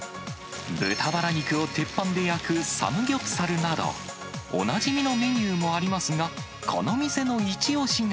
豚バラ肉を鉄板で焼くサムギョプサルなど、おなじみのメニューもありますが、この店の一押しが。